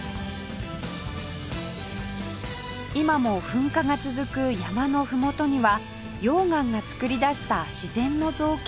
今も噴火が続く山のふもとには溶岩が作り出した自然の造形美や